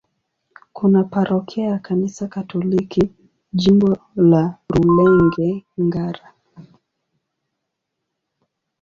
Kuna parokia ya Kanisa Katoliki, Jimbo la Rulenge-Ngara.